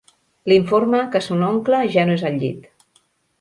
L'informa que son oncle ja no és al llit.